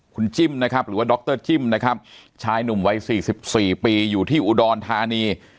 คุณจิ้มนะครับหรือว่าดรจิ้มนะครับชายหนุ่มวัย๔๔ปีอยู่ที่อุดรธานี